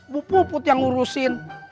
bu puput yang ngurusin